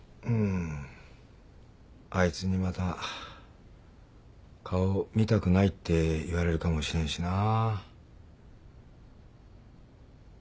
あいつにまた顔見たくないって言われるかもしれんしなあ。